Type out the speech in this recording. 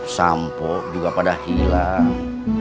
sampul juga pada hilang